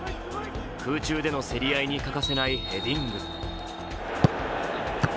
空中での競り合いに欠かせないヘディング。